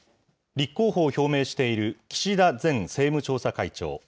立候補を表明している岸田前政務調査会長。